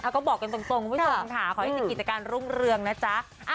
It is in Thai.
ก็บอกกันตรงค่ะขอให้สิ่งกิจการรุ่งเรืองนะจ๊ะ